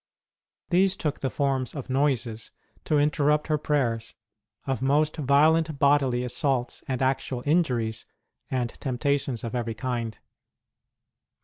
These took the forms of noises to interrupt her prayers, of most violent bodily assaults and actual injuries, and temptations of every kind.